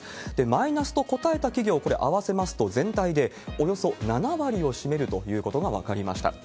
マイナスと答えた企業、これ合わせますと、全体でおよそ７割を占めるということが分かりました。